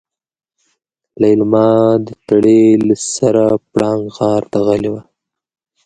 ليلما د تړې له سره پړانګ غار ته غلې وه.